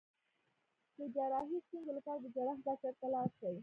د جراحي ستونزو لپاره د جراح ډاکټر ته لاړ شئ